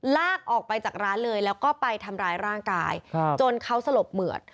ลากออกไปจากร้านเลยแล้วก็ไปทำร้ายร่างกายจนเขาสลบเหมือด